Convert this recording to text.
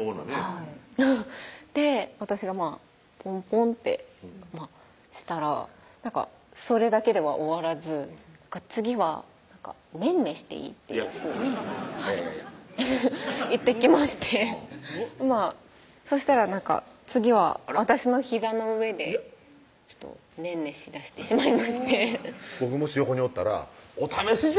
はい私がポンポンってしたらそれだけでは終わらず次は「ねんねしていい？」っていやっえぇ言ってきましてまぁそしたら次は私のひざの上でねんねしだしてしまいまして僕もし横におったら「お試しじゃ！」